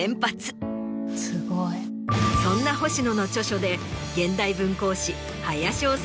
そんな星野の著書で。